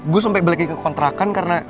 gue sampe balikin ke kontrakan karena